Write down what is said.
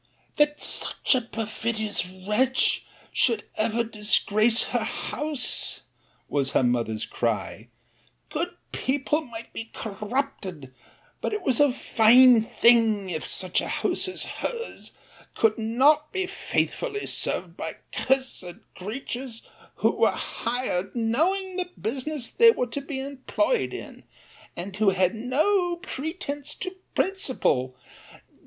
'That such a perfidious wretch should ever disgrace her house, was the mother's cry; good people might be corrupted; but it was a fine thing if such a house as her's could not be faithfully served by cursed creatures who were hired knowing the business they were to be employed in, and who had no pretence to principle!